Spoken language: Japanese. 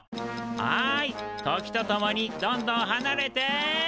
はい時と共にどんどんはなれて。